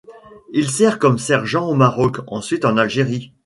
Il sert comme sergent au Maroc, ensuite en Algérie.